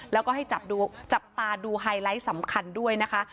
แล้วก็ให้จับตาดูไฮไลท์สำคัญด้วยนะคะ